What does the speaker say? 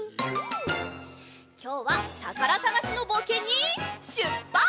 きょうはたからさがしのぼうけんにしゅっぱつ！